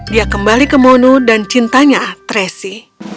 dia kembali ke monu dan cintanya tracy